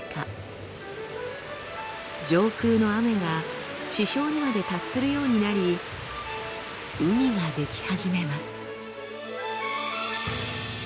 上空の雨が地表にまで達するようになり海が出来始めます。